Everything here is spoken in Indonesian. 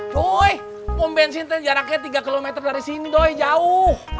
tuh pom bensin jaraknya tiga km dari sini doy jauh